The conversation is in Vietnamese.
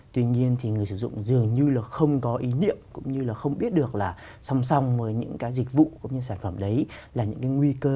tuy nhiên thì người sử dụng dường như là không có ý niệm cũng như là không biết được là song song với những cái dịch vụ cũng như sản phẩm đấy là những cái nguy cơ